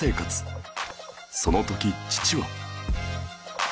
その時父は